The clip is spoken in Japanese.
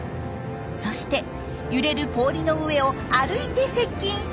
そして揺れる氷の上を歩いて接近。